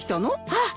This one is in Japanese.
あっ！